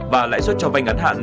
và lãi suất cho vay ngắn hạn